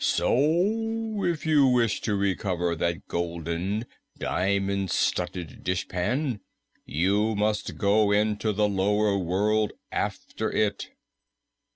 So if you wish to recover that golden, diamond studded dishpan, you must go into the lower world after it."